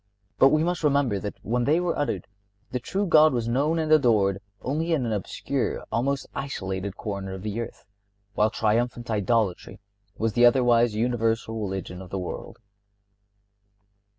But we must remember that when they were uttered the true God was known and adored only in an obscure, almost isolated, corner of the earth, while triumphant idolatry was the otherwise universal religion of the world.